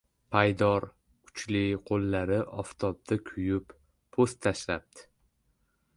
Paydor, kuchli qo‘llari oftobda kuyib, po‘st tashlabdi.